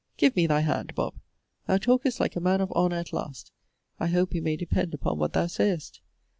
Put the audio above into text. Give me thy hand, Bob! Thou talkest like a man of honour at last. I hope we may depend upon what thou sayest!